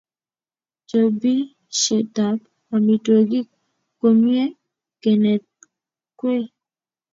chopishetab amitwogik ko mie kenetkwei